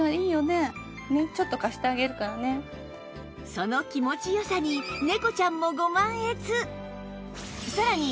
その気持ちよさに猫ちゃんもご満悦